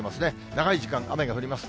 長い時間、雨が降ります。